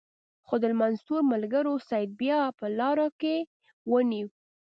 خو د المنصور ملګرو سید بیا په لاره کې ونیو.